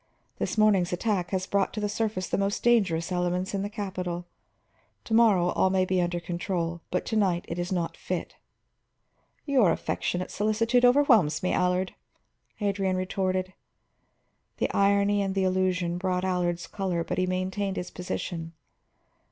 This morning's attack has brought to the surface the most dangerous elements in the capital. To morrow all may be under control, but to night it is not fit." "Your affectionate solicitude overwhelms me, Allard," Adrian retorted. The irony and the allusion brought Allard's color, but he maintained his position.